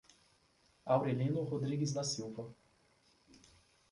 Aurelino Rodrigues da Silva